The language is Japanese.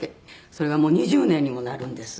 それがもう２０年にもなるんです。